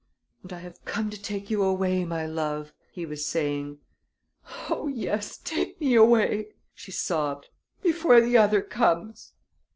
"And I have come to take you away, my love," he was saying. "Oh, yes; take me away," she sobbed, "before the other comes."